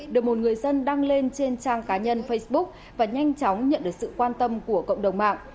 được một người dân đăng lên trên trang cá nhân facebook và nhanh chóng nhận được sự quan tâm của cộng đồng mạng